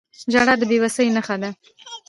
• ژړا د بې وسۍ نښه ده.